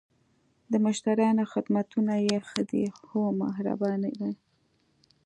د مشتریانو خدمتونه یی ښه ده؟ هو، مهربانه دي